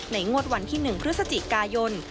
งวดวันที่๑พฤศจิกายน